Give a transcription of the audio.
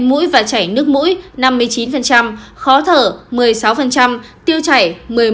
mũi và chảy nước mũi năm mươi chín khó thở một mươi sáu tiêu chảy một mươi một